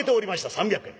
３００円